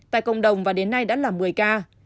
tại cộng đồng và đến nay đã là một mươi ca